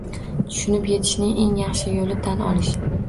Tushunib yetishning eng yaxshi yo’li tan olish